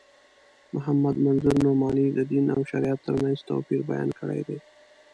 محمد منظور نعماني د دین او شریعت تر منځ توپیر بیان کړی دی.